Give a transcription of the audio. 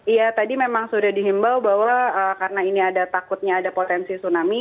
iya tadi memang sudah dihimbau bahwa karena ini ada takutnya ada potensi tsunami